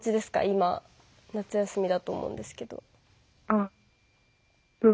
今夏休みだと思うんですけど。